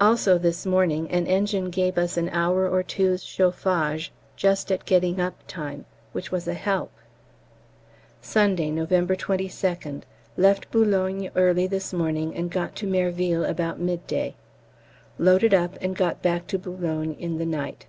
Also, this morning an engine gave us an hour or two's chauffage just at getting up time, which was a help. Sunday, November 22nd. Left B. early this morning and got to Merville about midday. Loaded up and got back to B. in the night.